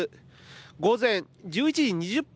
午前１１時２０分